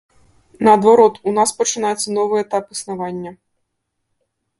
Наадварот, у нас пачынаецца новы этап існавання.